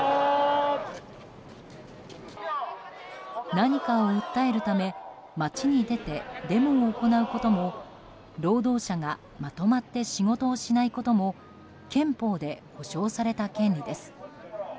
何かを訴えるため街に出てデモを行うことも労働者がまとまって仕事をしないことも憲法で保障された権利です。